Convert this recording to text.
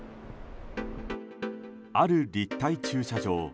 ある立体駐車場。